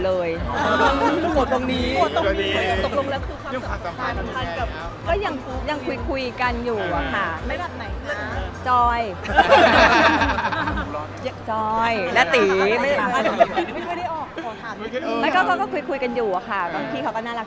เราอยากแบ่งสนับสนับกดตัวของนักก็ได้